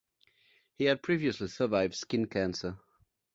He had previously survived skin cancer.